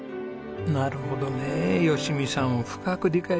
なるほどねえ吉美さんを深く理解してますねえ。